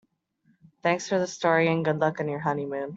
Thanks for the story and good luck on your honeymoon.